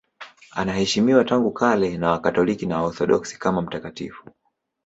Anaheshimiwa tangu kale na Wakatoliki na Waorthodoksi kama mtakatifu.